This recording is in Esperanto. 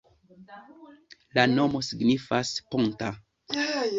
La nomo signifas: ponta.